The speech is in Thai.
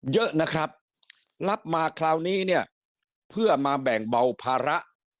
เยอะนะครับรับมาคราวนี้เนี่ยเพื่อมาแบ่งเบาภาระ